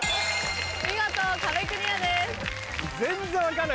見事壁クリアです。